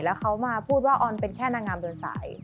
แล้วเขามาพูดว่าออนเป็นแค่นางงามเดินสาย